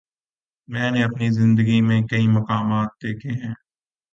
میں نے اپنی زندگی میں کئی مقامات دیکھے ہیں۔